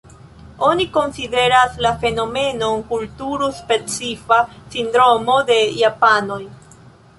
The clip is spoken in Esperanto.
Oni konsideras la fenomenon, kulturo-specifa sindromo de Japanoj.